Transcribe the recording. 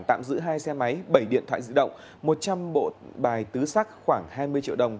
tạm giữ hai xe máy bảy điện thoại di động một trăm linh bộ bài tứ sắc khoảng hai mươi triệu đồng